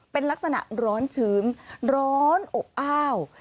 เป็นลักษณะร้อนชื้นร้อนอบอ้าว